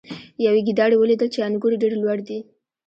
یوې ګیدړې ولیدل چې انګور ډیر لوړ دي.